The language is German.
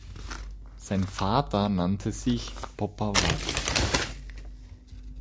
Sein Vater nannte sich Poppa Wad.